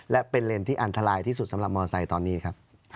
และเป็นเลนส์ที่อันตรายที่สุดสำหรับมอไซค์ตอนนี้ครับ